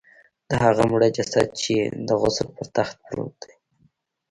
د هغه مړه جسد چې د غسل پر تخت پروت دی.